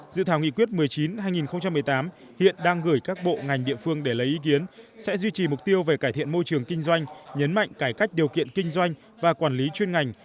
dự thảo nghị quyết một mươi chín hai nghìn một mươi tám hiện đang gửi các bộ ngành địa phương để lấy ý kiến sẽ duy trì mục tiêu về cải thiện môi trường kinh doanh nhấn mạnh cải cách điều kiện kinh doanh và quản lý chuyên ngành